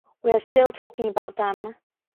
We are still talking about them.